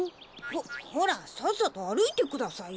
ほほらさっさとあるいてくださいよ。